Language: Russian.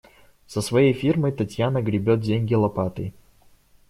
Со своей фирмой Татьяна гребёт деньги лопатой.